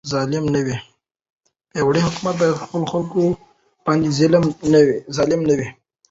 پیاوړی حکومت باید پر خپلو خلکو باندې ظالم نه وي.